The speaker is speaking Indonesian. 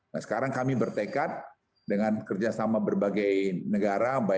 nah sekarang kami bertekad dengan kerjasama berbagai negara